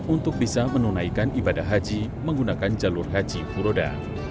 untuk bisa menunaikan ibadah haji menggunakan jalur haji furoda